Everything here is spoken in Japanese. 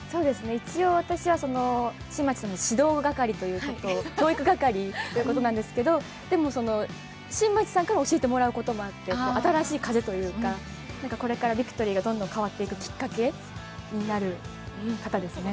一応、私は新町の指導係、教育係ということなんですけど新町さんから教えてもらうこともあって、新しい風というか、これからビクトリーがどんどん変わっていくきっかけになる方ですね。